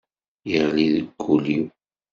Yeɣli deg wul-iw.